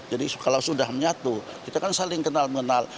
jadi kalau sudah menyatu kita kan saling kenal kenal